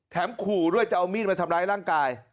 ขู่ด้วยจะเอามีดมาทำร้ายร่างกาย